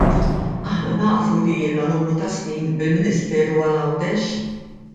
Aħna nafu li ilna numru ta' snin bil-Ministeru għal Għawdex.